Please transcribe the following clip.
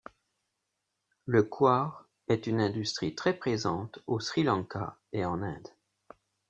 Le Coir est une industrie très présente au Sri Lanka et en Inde.